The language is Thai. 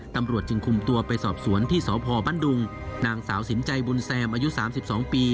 ตำรวจจึงคุมตัวไปสอบสวนที่สพบั้นดุงนางสาวสินใจบุญแซมอายุ๓๒ปี